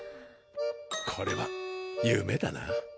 これは夢だな。